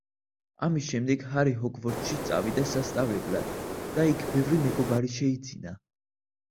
ამის შემდეგ ჰარი ჰოგვორტსში წავიდა სასწავლებლად და იქ ბევრი მეგობარი შეიძინა.